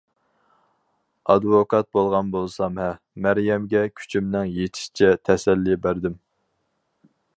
ئادۋوكات بولغان بولسام ھە. مەريەمگە كۈچۈمنىڭ يىتىشىچە تەسەللى بەردىم.